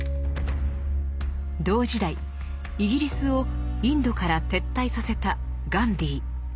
同時代イギリスをインドから撤退させたガンディー。